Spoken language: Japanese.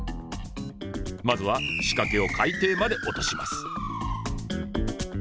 まずは仕掛けを海底まで落とします。